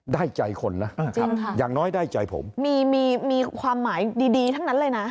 ได้ใจคนนะอย่างน้อยได้ใจผมมีมีความหมายดีดีทั้งนั้นเลยนะ